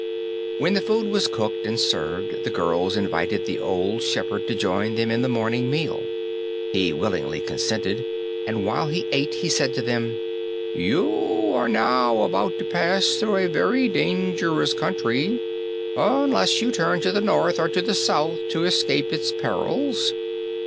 When the food was cooked and served, the girls invited the old shepherd to join them in the morning meal. He willingly consented, and while they ate he said to them, "You are now about to pass through a very dangerous country, unless you turn to the north or to the south to escape its perils."